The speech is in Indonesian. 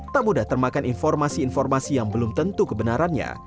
tak mudah termakan informasi informasi yang belum tentu kebenarannya